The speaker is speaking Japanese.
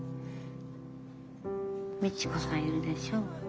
ミチコさんいるでしょ。